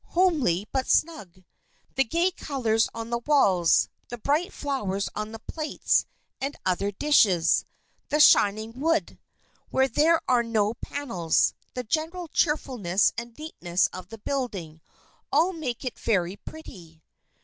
"Homely, but snug. The gay colors on the walls; the bright flowers on the plates and other dishes; the shining wood, where there are no panels; the general cheerfulness and neatness of the building; all make it very pretty."